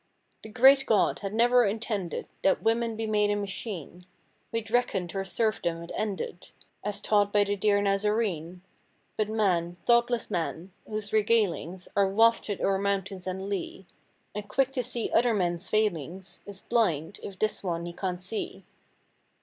The Great God had never intended That women be made a machine; We'd reckoned her serfdom had ended. As taught by the dear Nazarene: But man, thoughtless man, whose regalings Are wafted o'er mountain and lea. And quick to see other men's failings. Is blind, if this one he can't see.